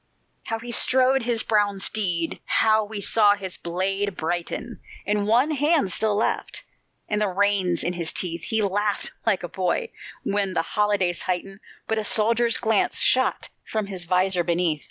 How he strode his brown steed! How we saw his blade brighten In the one hand still left, and the reins in his teeth! He laughed like a boy when the holidays heighten, But a soldier's glance shot from his visor beneath.